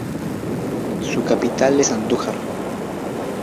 Su capital es Andújar.